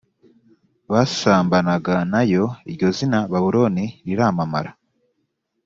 basambanaga na yo iryo zina babuloni riramamara